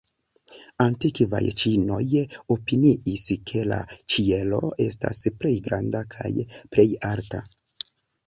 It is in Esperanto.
Antikvaj ĉinoj opiniis, ke la ĉielo estas plej granda kaj plej alta.